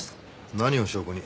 何を証拠に？